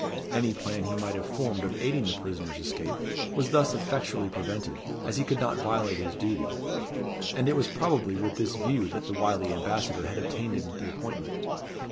Any plan he might have formed of aiding the prisoner's escape was thus effectually prevented, as he could not violate his duty; and it was probably with this view that the wily ambassador had obtained him the appointment.